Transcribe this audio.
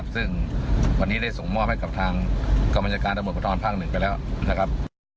ซึ่งวันนี้ได้ส่งมอบให้กับทางกรรมการตำรวจภูทรภาค๑ไปแล้วนะครับ